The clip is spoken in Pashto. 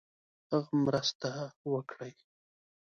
هغه مرسته وکړي.